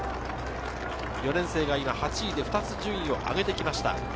４年生が今８位で２つ順位を上げてきました。